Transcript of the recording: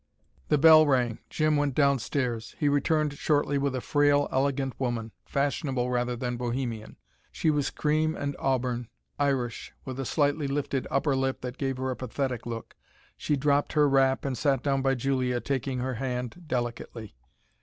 The bell rang, Jim went downstairs. He returned shortly with a frail, elegant woman fashionable rather than bohemian. She was cream and auburn, Irish, with a slightly lifted upper lip that gave her a pathetic look. She dropped her wrap and sat down by Julia, taking her hand delicately.